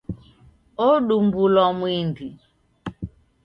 Odumbulwa mwindi.